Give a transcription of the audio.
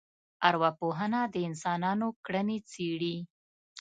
ارواپوهنه د انسانانو کړنې څېړي